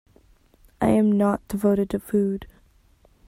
I am not devoted to food!